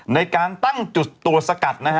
ในการตั้งจุดตรวจสกัดนะฮะ